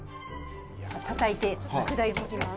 たたいて砕いていきます。